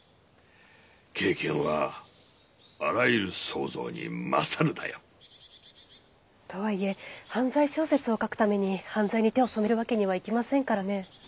「経験はあらゆる想像に勝る」だよ。とはいえ犯罪小説を書くために犯罪に手を染めるわけにはいきませんからね。